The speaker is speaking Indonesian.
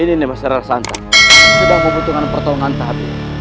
ini masyarakat santan sudah membutuhkan pertolongan tahap ini